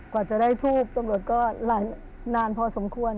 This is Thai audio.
กว่าจะได้ทูบตำรวจก็หลายนานพอสมควร